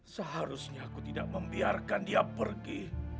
seharusnya aku tidak membiarkan dia pergi